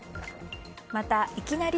また、いきなり！